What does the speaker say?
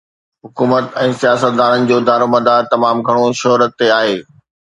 حڪومت ۽ سياستدانن جو دارومدار تمام گهڻو شهرت تي آهي.